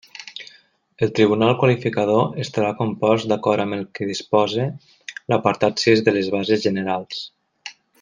El tribunal qualificador estarà compost d'acord amb el que disposa l'apartat sis de les bases generals.